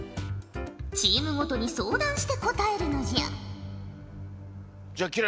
チームごとに相談して答えるのじゃ。